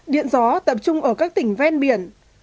điện gió tập trung ở các tỉnh ven biển